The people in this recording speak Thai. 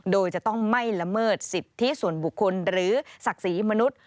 โดยจะต้องไม่ละเมิดสิทธิส่วนบุคคลหรือศักดิ์ศรีมนุษย์